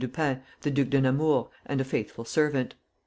Dupin, the Duc de Nemours, and a faithful servant.